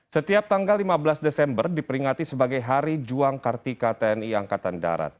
setiap tanggal lima belas desember diperingati sebagai hari juang kartika tni angkatan darat